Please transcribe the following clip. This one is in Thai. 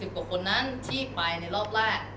กว่าคนนั้นที่ไปในรอบแรก